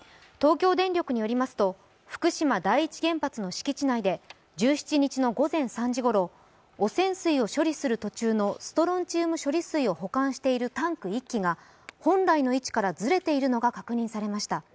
東京電力によりますと、福島第一原発の敷地内で１７日の午前３時ごろ、汚染水を処理する途中のストロンチウム処理水を保管しているタンク１基が本来の位置からずれているのが確認されました。